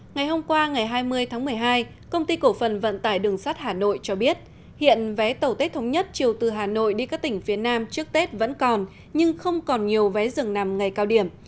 ngày hôm qua ngày hai mươi tháng một mươi hai công ty cổ phần vận tải đường sắt hà nội cho biết hiện vé tàu tết thống nhất chiều từ hà nội đi các tỉnh phía nam trước tết vẫn còn nhưng không còn nhiều vé dừng nằm ngày cao điểm